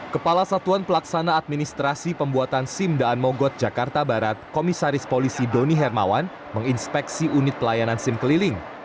kepala satuan pelaksana administrasi pembuatan sim daan mogot jakarta barat komisaris polisi doni hermawan menginspeksi unit pelayanan sim keliling